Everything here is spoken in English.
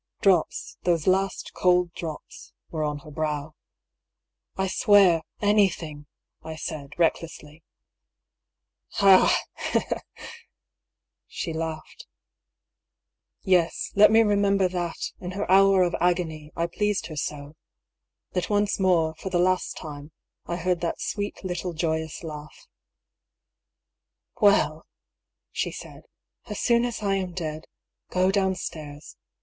Drops, those last cold drops, were on her brow. " I swear — anything," I said, recklessly. " Ah I " she laughed. Yes, let me remember that, in her hour of agony, I pleased her so — that once more, for the last time, I heard that sweet little joyous laugh. DIARY OF HUGH PAULU I53 " Well," she said, " as soon as I am dead, go down stairs.